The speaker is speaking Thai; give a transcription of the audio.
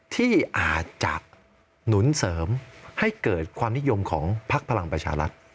ที่อาจจะหนุนเสริมให้เกิดความนิยมของพักพลังประชารัฐ